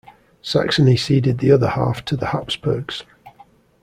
Saxony ceded the other half to the Habsburgs.